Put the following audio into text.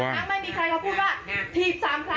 เอาดี